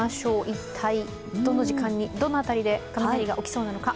一体どの時間にどの辺りで雷が起きそうなのか。